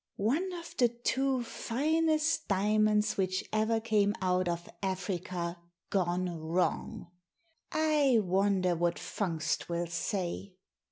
" One of the two finest diamonds which ever came out of Africa gone wrong ! I wonder what Fungst will say?'